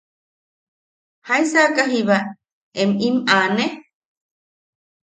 ¿Jaisaka jiiba em inen aane?